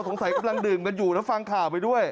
กำลังดื่มกันอยู่นะฟังข่าวไปด้วย